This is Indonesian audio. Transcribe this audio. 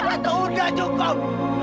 udah tante udah cukup